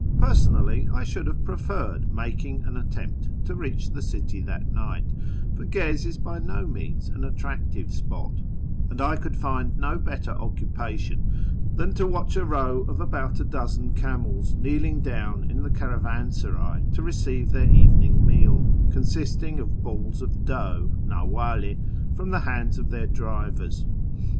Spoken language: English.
Personally, I should have preferred making an attempt to reach the city that night, for Gez is by no means an attractive spot, and I could find no better occupation than to watch a row of about a dozen camels kneeling down in the caravansaray to receive their evening meal, consisting of balls of dough {naiodU), from the hands of their drivers.